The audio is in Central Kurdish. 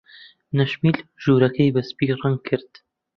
نەشمیل ژوورەکەی بە سپی ڕەنگ کرد.